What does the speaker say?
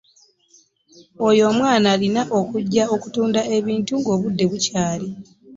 Oyo omwana alina okuyiga okutunda ebintu nga obudde bukyali.